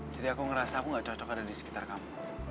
jadi aku ngerasa aku gak cocok ada di sekitar kamu